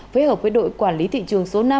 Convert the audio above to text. phối hợp với đội quản lý thị trường số năm